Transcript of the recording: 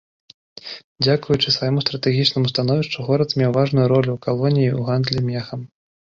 Дзякуючы свайму стратэгічнаму становішчу, горад меў важную ролю ў калоніі ў гандлі мехам.